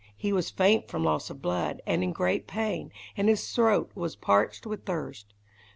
He was faint from loss of blood, and in great pain, and his throat was parched with thirst.